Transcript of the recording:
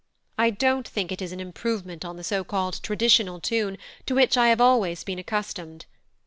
I don't think it is an improvement on the so called traditional tune to which I have always been accustomed.